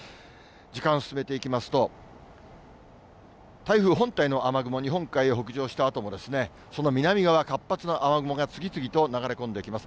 時間進めていきますと、台風本体の雨雲、日本海へ北上したあとも、その南側、活発な雨雲が次々と流れ込んできます。